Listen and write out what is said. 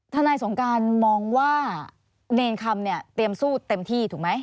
ท่านายสงการมองว่าในเอนคำเตรียมสู้เต็มที่ถูกไหม